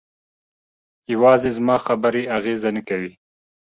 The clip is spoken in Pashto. یوازې زما خبرې اغېزه نه کوي.